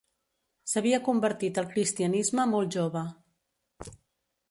S'havia convertit al cristianisme molt jove.